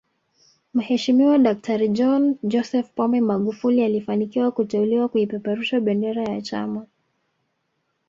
Mheshimiwa daktari John Joseph Pombe Magufuli alifanikiwa kuteuliwa kuipeperusha bendera ya chama